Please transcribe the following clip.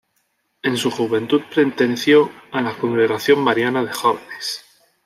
En su juventud perteneció a la congregación mariana de jóvenes.